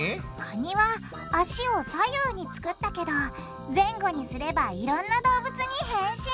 カニは脚を左右に作ったけど前後にすればいろんな動物に変身！